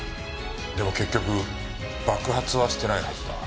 でも結局爆発はしてないはずだ。